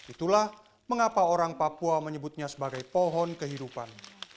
itulah mengapa orang papua menyebutnya sebagai pohon kehidupan